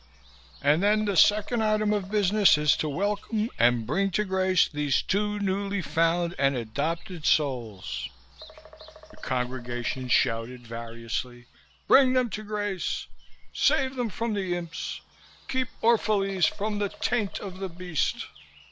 "And then the second item of business is to welcome and bring to grace these two newly found and adopted souls." The congregation shouted variously: "Bring them to grace! Save them from the imps! Keep Orphalese from the taint of the beast!"